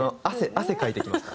汗かいてきました。